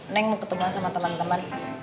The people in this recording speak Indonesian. neng mau ketemu sama teman teman